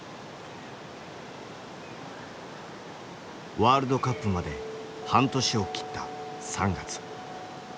ワールドカップまで半年を切った３月。